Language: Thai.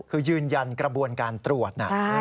คือยืนยันกระบวนการตรวจ